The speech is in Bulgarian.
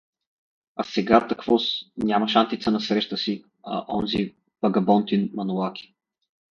А сега, таквоз… нямаш Антица насреща си, а онзи багабонтин Манолаки.